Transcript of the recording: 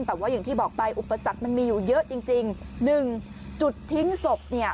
แต่ว่าอย่างที่บอกไปอุปสรรคมันมีอยู่เยอะจริงจริงหนึ่งจุดทิ้งศพเนี่ย